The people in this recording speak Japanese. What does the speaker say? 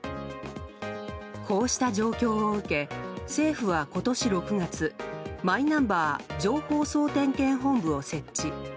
こうした状況を受け政府は今年６月マイナンバー情報総点検本部を設置。